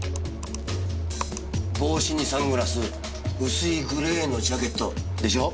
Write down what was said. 帽子にサングラス薄いグレーのジャケットでしょ？